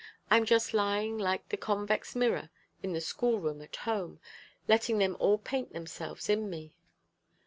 I am just lying like the convex mirror in the school room at home, letting them all paint themselves in me."